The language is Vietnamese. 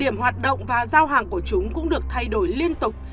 điểm hoạt động và giao hàng của chúng cũng được thay đổi liên tục